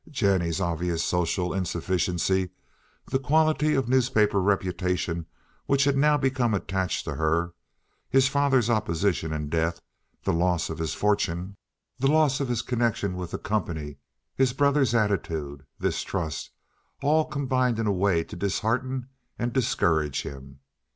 Jennie's obvious social insufficiency, the quality of newspaper reputation which had now become attached to her, his father's opposition and death, the loss of his fortune, the loss of his connection with the company, his brother's attitude, this trust, all combined in a way to dishearten and discourage him.